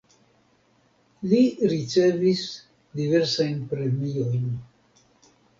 Li ricevis diversajn premiojn.